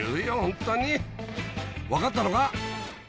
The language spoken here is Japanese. ホントに分かったのか？